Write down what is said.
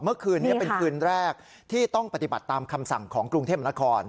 เมื่อคืนนี้เป็นคืนแรกที่ต้องปฏิบัติตามคำสั่งของกรุงเทพนคร